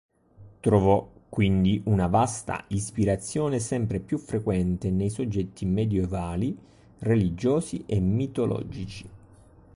Trovò quindi una vasta ispirazione sempre più frequente nei soggetti medioevali, religiosi e mitologici.